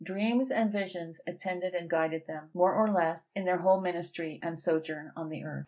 Dreams and visions attended and guided them, more or less, in their whole ministry and sojourn on the earth.